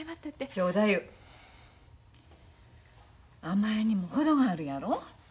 甘えにも程があるやろ？